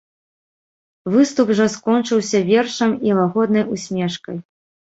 Выступ жа скончыўся вершам і лагоднай усмешкай.